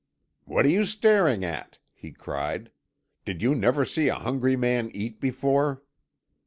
"What are you staring at?" he cried. "Did you never see a hungry man eat before?"